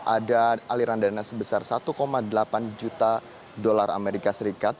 ada aliran dana sebesar satu delapan juta dolar amerika serikat